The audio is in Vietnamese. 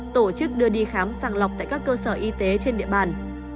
tổ chức đưa đi khám sàng lọc tại các cơ sở y tế trên địa bàn